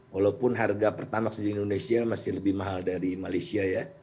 walaupun harga pertamax di indonesia masih lebih mahal dari malaysia ya